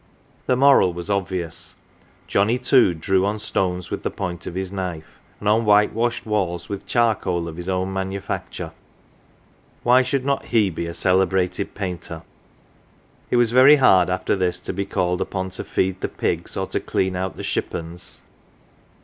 The moral was obvious : Johnnie too drew on stones with the point of his knife, and on whitewashed walls with charcoal of his own manufacture why should not he be a celebrated painter ? It was very hard after this to be called upon to feed the pigs, or to clean out the shippons.